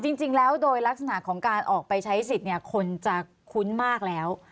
จริงแล้วโดยลักษณะของการออกไปใช้สิทธิ์คนจะคุ้นมากแล้ว